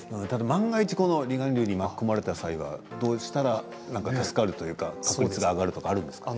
万が一、離岸流に巻き込まれた際は、どうしたら助かるというか、あるんですか？